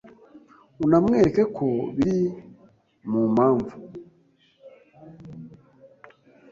unamwereke ko biri mu mpamvu